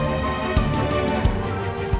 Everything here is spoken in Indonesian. tidak ada yang tidak tidur